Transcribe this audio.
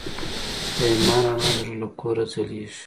د ایمان رڼا د زړه له کوره ځلېږي.